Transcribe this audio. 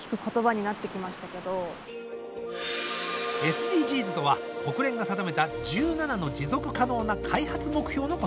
ＳＤＧｓとは国連が定めた１７の持続可能な開発目標のこと。